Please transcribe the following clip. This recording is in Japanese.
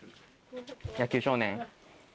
野球少年。